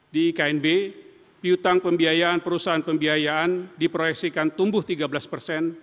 di iknb piutang pembiayaan perusahaan pembiayaan diproyeksikan tumbuh tiga belas persen